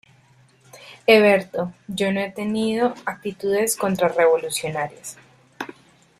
Heberto, yo no he tenido actitudes contrarrevolucionarias".